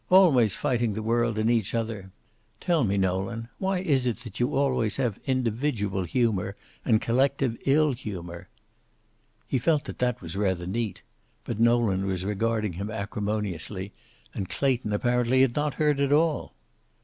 "Always fighting the world and each other. Tell me, Nolan, why is it that you always have individual humor and collective ill humor?" He felt that that was rather neat. But Nolan was regarding him acrimoniously, and Clayton apparently had not heard at all.